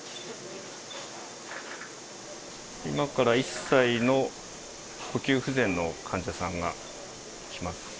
今から１歳の呼吸不全の患者さんが来ます。